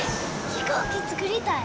飛行機作りたい。